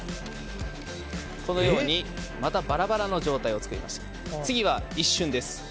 このように、またバラバラの状態を作ります。